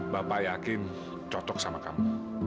bapak yakin cocok sama kamu